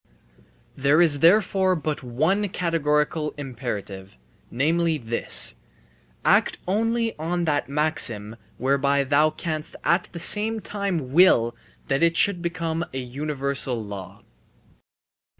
There is therefore but one categorical imperative, namely, this: Act only on that maxim whereby thou canst at the same time will that it should become a universal law.